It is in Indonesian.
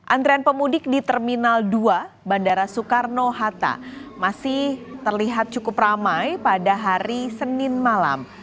antrean pemudik di terminal dua bandara soekarno hatta masih terlihat cukup ramai pada hari senin malam